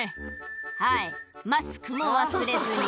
「はいマスクも忘れずに」